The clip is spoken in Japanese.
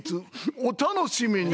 お楽しみに。